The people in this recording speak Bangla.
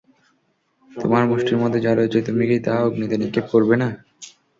তোমার মুষ্ঠির মধ্যে যা রয়েছে তুমি কি তা অগ্নিতে নিক্ষেপ করবে না?